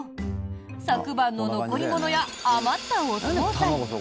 昨晩の残り物や、余ったお総菜。